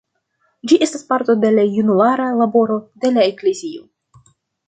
Ĝi estas parto de la junulara laboro de la eklezio.